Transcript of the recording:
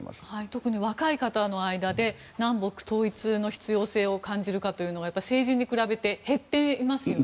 特に若い方の間で南北統一の必要性を感じるかというのは成人に比べて減っていますよね。